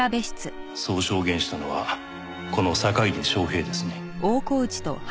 そう証言したのはこの坂出昌平ですね？